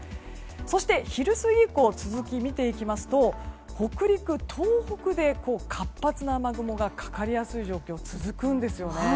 そして、昼過ぎ以降続きを見ていきますと北陸、東北で活発な雨雲がかかりやすい状況が続くんですよね。